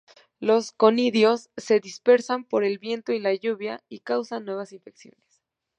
Los conidios se dispersan por el viento y la lluvia y causan nuevas infecciones.